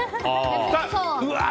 うわー。